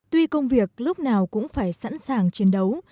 tuy công việc lúc nào cũng phải sẵn sàng chiến đấu